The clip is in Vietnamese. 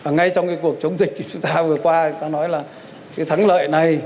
ngay trong cái cuộc chống dịch chúng ta vừa qua chúng ta nói là cái thắng lợi này